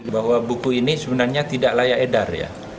bahwa buku ini sebenarnya tidak layak edar ya